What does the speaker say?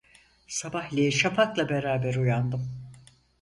Sabahleyin şafakla beraber uyandım.